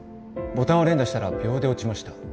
「ボタンを連打したら秒で落ちました」